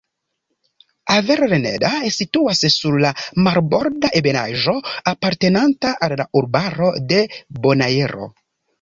Avellaneda situas sur la marborda ebenaĵo apartenanta al urbaro de Bonaero.